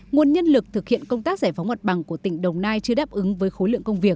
nguồn nhân lực thực hiện công tác giải phóng mặt bằng của tỉnh đồng nai chưa đáp ứng với khối lượng công việc